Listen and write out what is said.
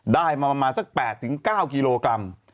ได้มาประมาณสัก๘๙กิโลกรัม